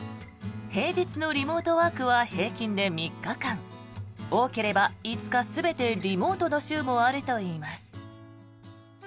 平日のリモートワークは平均で３日間多ければ５日全てリモートの週もあるといいます。